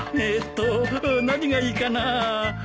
えっと何がいいかなぁ？